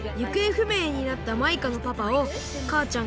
ふめいになったマイカのパパをかあちゃん